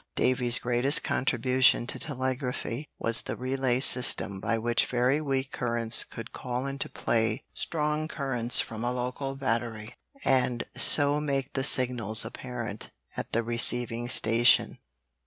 Davy's greatest contribution to telegraphy was the relay system by which very weak currents could call into play strong currents from a local battery, and so make the signals apparent at the receiving station.